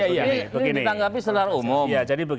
ini ditanggapi seluruh umum